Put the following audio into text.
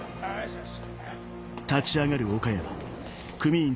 よし。